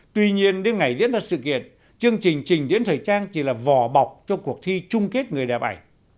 tuy nhiên đến ngày diễn ra sự kiện chương trình trình diễn thời trang chỉ là vỏ bọc cho cuộc thi trung kết người đẹp ảnh